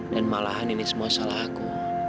dan malahan ini semua salah aku